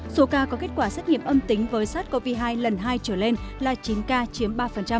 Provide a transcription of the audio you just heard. số ca có kết quả xét nghiệm âm tính với sars cov hai lần hai trở lên là chín ca chiếm ba